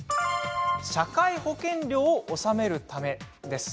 社会保険料を納めるためです。